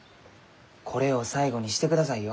これを最後にしてくださいよ。